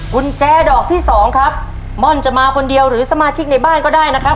กุญแจดอกที่สองครับม่อนจะมาคนเดียวหรือสมาชิกในบ้านก็ได้นะครับ